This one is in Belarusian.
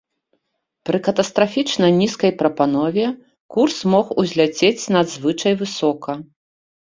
Пры катастрафічна нізкай прапанове курс мог узляцець надзвычай высока.